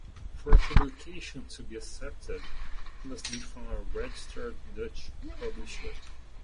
For a publication to be accepted, it must be from a registered Dutch publisher.